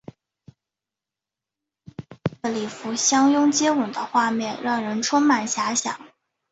两人身穿白色礼服相拥接吻的画面让人充满遐想。